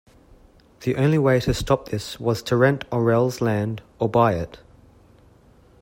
The only way to stop this was to rent Orrell's land or buy it.